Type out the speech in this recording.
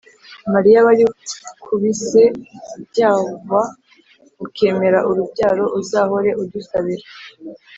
maria wari kubise ubyuwva ukemera urubyaro, uzahore udusabira